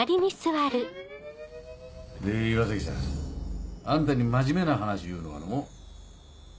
で岩崎さんあんたに真面目な話いうのはの。